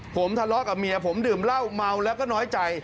ผมทะเลาะกับเมียผมดื่มเหล้าเมาแล้วก็น้อยใจ